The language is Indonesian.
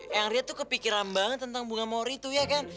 eang ria tuh kepikiran banget tentang bunga mawar itu ya kan